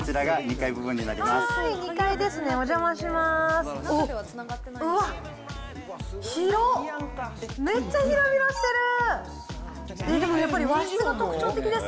２階ですね、お邪魔します。